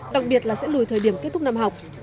đặc biệt là sẽ lùi thời điểm kết thúc năm học